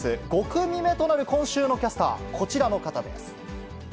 ５組目となる今週のキャスター、こちらの方です。